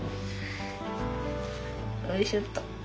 おいしょっと。